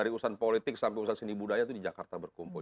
pusat politik sampai pusat seni budaya itu di jakarta berkumpul